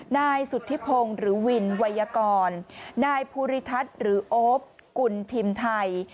นายสุธิพงศ์หรือวินวัยกรนายภูริทัศน์หรือโอ๊ปกุลพิมพ์ไทย